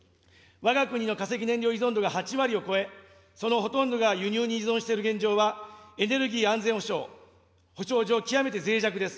わが国の化石燃料依存度が８割を超え、そのほとんどが輸入に依存している現状は、エネルギー安全保障上、極めてぜい弱です。